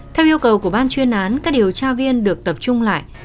theo yêu cầu của ban chuyên án các điều tra viên được tập trung lại